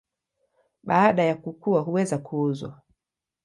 Baada ya kukua huweza kuuzwa.